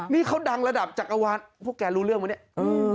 นี่เขาดังระดับจักรวาลพวกแกรู้เรื่องไหมเนี่ย